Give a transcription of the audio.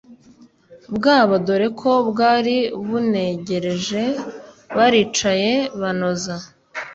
bwabo dore ko bwari bunegereje baricaye banoza